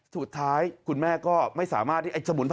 สุดท้ายคุณแม่ก็ไม่สามารถ